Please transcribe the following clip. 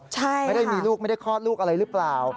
ไม่ได้มีลูกไม่ได้คลอดลูกอะไรหรือเปล่า